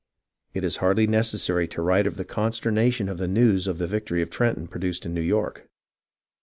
It is hardly necessary to write of the consternation the news of the victory at Trenton produced in New York.